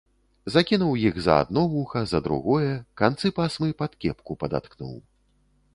Закінуў іх за адно вуха, за другое, канцы пасмы пад кепку падаткнуў.